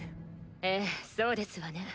ええそうですわね。